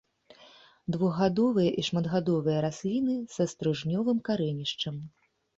Двухгадовыя і шматгадовыя расліны са стрыжнёвым карэнішчам.